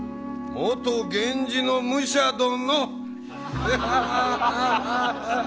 元源氏の武者殿！